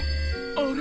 あれ？